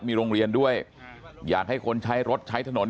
มีโรงเรียนด้วยอยากให้คนใช้รถใช้ถนน